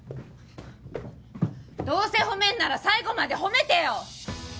どうせ褒めんなら最後まで褒めてよ！